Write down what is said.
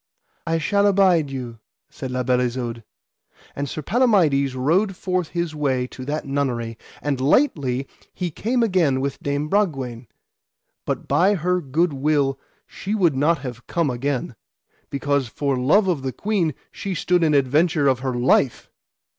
I shall abide you, said La Beale Isoud. And Sir Palamides rode forth his way to that nunnery, and lightly he came again with Dame Bragwaine; but by her good will she would not have come again, because for love of the queen she stood in adventure of her life.